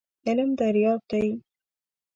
علم دریاب دی .